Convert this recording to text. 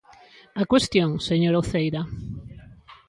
Á cuestión, señora Uceira.